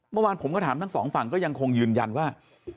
เมื่อวานผมก็ถามทั้งสองฝั่งก็ยังคงยืนยันว่า